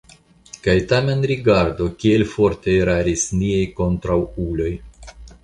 Kaj tamen rigardu, kiel forte eraris niaj kontraŭuloj!